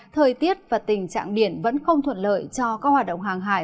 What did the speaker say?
thời tiết và tình trạng biển vẫn không thuận lợi cho các hoạt động hàng hải